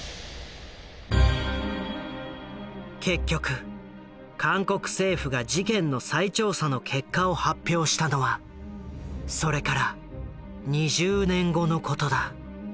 結局韓国政府が事件の再調査の結果を発表したのはそれから２０年後のことだ。